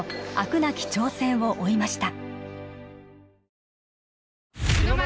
なき挑戦を追いました